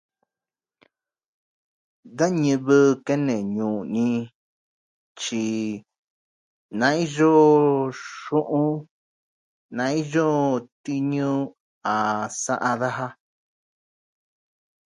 Da ñɨvɨ kene ñuu ni tyi na iyo xuˈun, na iyo tiñu a saˈa daja.